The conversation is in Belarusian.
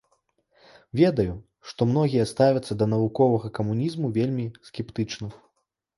Ведаю, што многія ставяцца да навуковага камунізму вельмі скептычна.